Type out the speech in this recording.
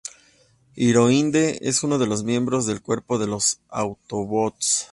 Ironhide, es uno de los miembros del cuerpo de los Autobots.